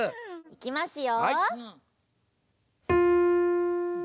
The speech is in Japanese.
いきますよ！